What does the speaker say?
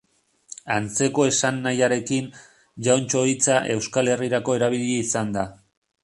Antzeko esan nahiarekin, Jauntxo hitza Euskal Herrirako erabili izan da.